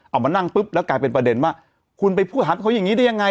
เอามานั่งปุ๊บแล้วกลายเป็นประเด็นว่าคุณไปพูดหันเขาอย่างนี้ได้ยังไง